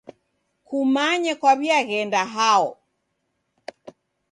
Kumanye kwaw'iaghenda hao?